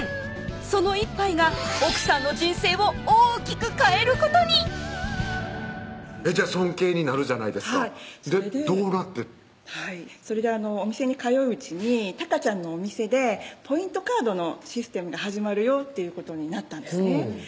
その１杯が奥さんの人生を大きく変えることに尊敬になるじゃないですかでどうなってそれでお店に通ううちにたかちゃんのお店でポイントカードのシステムが始まるよっていうことになったんですね